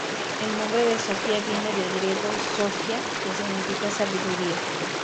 El nombre de Sofía viene del griego "sophia" que significa "sabiduría".